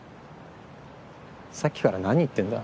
さっきから何言ってんだ？